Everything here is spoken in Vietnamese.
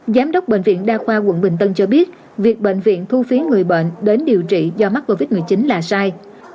giám đốc bệnh viện đa khoa quận bình tân cho biết việc bệnh viện thu phí người bệnh đến điều trị do mắc covid một mươi chín là sai